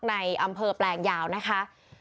ในอำเภอแปลงยาวนะคะ